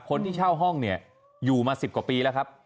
คนที่เช่าห้องเนี่ยอยู่มา๑๐กว่าปีแล้วครับ